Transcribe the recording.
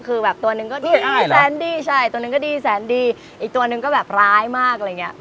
คือแบบตัวหนึ่งก็ดีแสนดีใช่ตัวหนึ่งก็ดีแสนดีอีกตัวหนึ่งก็แบบร้ายมากอะไรอย่างเงี้ย